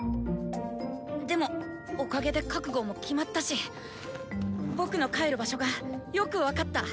でもおかげで覚悟も決まったし僕の帰る場所がよく分かった！